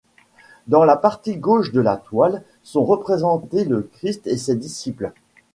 Dans la partie gauche de la toile, sont représentés le Christ et ses disciples.